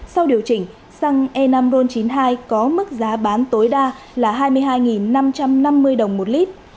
sau điều chỉnh xăng e năm ron chín mươi hai có mức giá bán tối đa là hai mươi hai năm trăm năm mươi đồng một lít